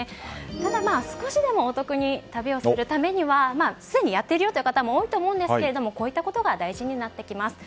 ただ、少しでもお得に旅をするためにはすでにやってるよという方も多いとは思うんですけどもこういったことが大事になってきます。